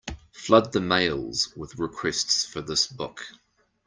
Flood the mails with requests for this book.